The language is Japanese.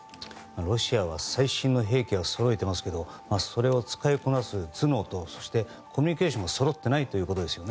ロシアは最新の兵器をそろえていますがそれを使いこなす頭脳とコミュニケーションがそろっていないと。